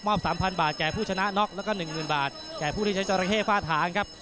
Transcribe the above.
๓๐๐บาทแก่ผู้ชนะน็อกแล้วก็๑๐๐๐บาทแก่ผู้ที่ใช้จราเข้ฝ้าถางครับ